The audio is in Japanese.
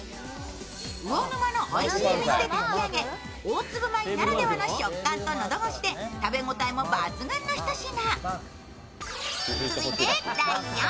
魚沼のおいしい水で炊き上げ大粒米ならではの食感と、喉越しで食べ応えも抜群のひと品。